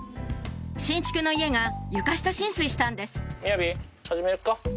新築の家が床下浸水したんです雅己始めるか。